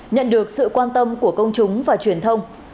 nhận được sự quan tâm của công chúng và truyền thông